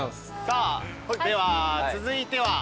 さあでは続いては？